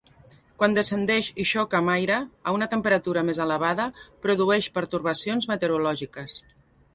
Quan descendeix i xoca amb aire a una temperatura més elevada produeix pertorbacions meteorològiques.